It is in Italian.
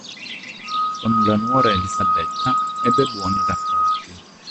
Con la nuora Elisabetta ebbe buoni rapporti.